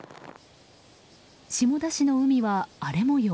下田市の海は荒れ模様。